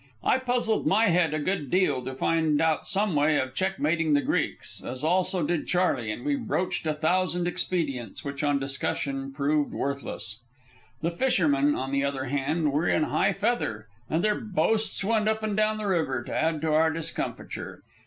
I puzzled my head a good deal to find out some way of checkmating the Greeks, as also did Charley, and we broached a thousand expedients which on discussion proved worthless. The fishermen, on the other hand, were in high feather, and their boasts went up and down the river to add to our discomfiture.